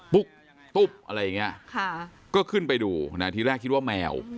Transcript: ปุ๊บอะไรไงก็ขึ้นไปดูนะทีแรกคิดว่าแมว